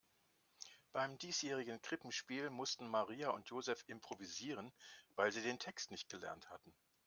Beim diesjährigen Krippenspiel mussten Maria und Joseph improvisieren, weil sie den Text nicht gelernt hatten.